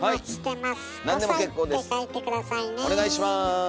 お願いします。